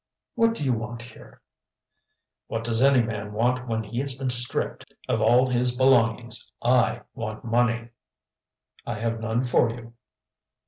"What do you want here?" "What does any man want when he has been stripped of all his belongings? I want money." "I have none for you."